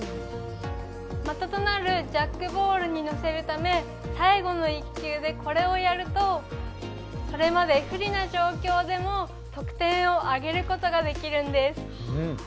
的となるジャックボールに乗せるため最後の１球でこれをやるとそれまで不利な状況でも得点を挙げることができるんです。